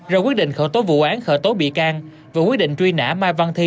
rồi quyết định khởi tố vụ án khởi tố bị can và quyết định truy nã mai văn thi